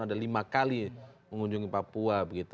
ada lima kali mengunjungi papua